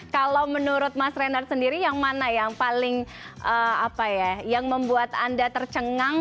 kalau menurut mas renard sendiri yang mana yang paling apa ya yang membuat anda tercengang